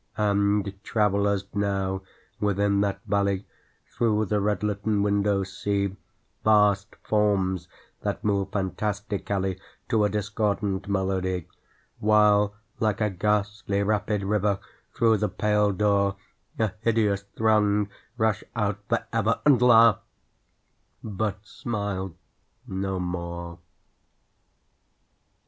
And travellers, now, within that valley, Through the red litten windows see Vast forms, that move fantastically To a discordant melody, While, like a ghastly rapid river, Through the pale door A hideous throng rush out forever And laugh but smile no more.